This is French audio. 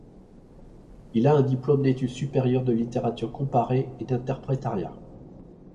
Il a un diplôme d'études supérieures de littérature comparée et d'interprétariat.